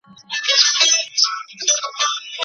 که انلاین درسونه خوندي ذخیره سي، معلومات له منځه نه ځي.